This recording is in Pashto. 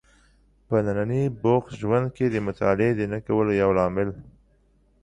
په ننني بوخت ژوند کې د مطالعې د نه کولو یو لامل